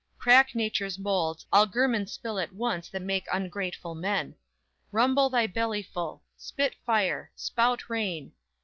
Crack nature's molds, all germens spill at once, That make ingrateful men! Rumble thy belly full! Spit fire! Spout rain!